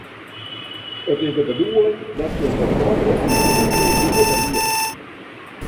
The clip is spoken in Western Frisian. It is de bedoeling dat je se beide yn ien kear goed riede.